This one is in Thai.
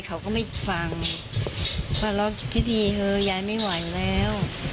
เขาก็ไม่ฟังเพราะว่าพิธีเฮอยายไม่ไหวแล้ว